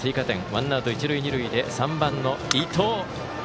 ワンアウト、一、二塁で３番の伊藤。